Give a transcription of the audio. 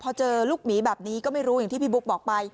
พอเจอลูกหมีแบบนี้ก็ไม่รู้อย่างที่พี่บุ๊คบอกไป